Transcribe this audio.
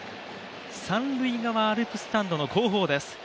三塁側、アルプススタンドの後方です。